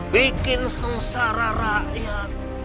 bikin sengsara rakyat